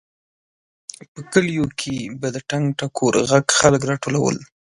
په کلیو کې به د ټنګ ټکور غږ خلک راټولول.